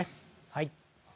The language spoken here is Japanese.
はい。